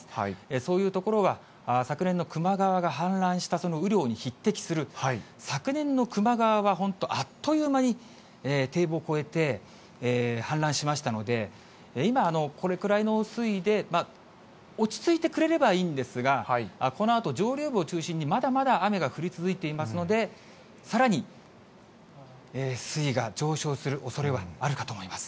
そういう所は、昨年の球磨川が氾濫したその雨量に匹敵する、昨年の球磨川は本当、あっという間に堤防越えて氾濫しましたので、今、これくらいの水位で落ち着いてくれればいいんですが、このあと、上流部を中心にまだまだ雨が降り続いていますので、さらに水位が上昇するおそれはあるかと思います。